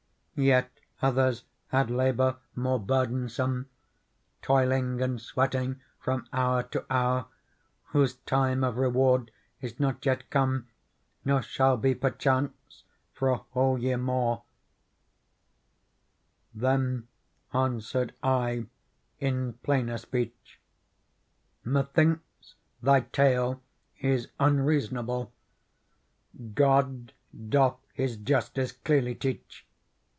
Yet others had labour more burdensome. Toiling and sweating from hour to hour. Whose time of reward is not yet come — Nor shall be, perchance, for a whole year more." Digitized by Google 26 PEARL Then answered I in plainer speech :" Me thinks thy tale is unreasonable. God doth His justice clearly teach.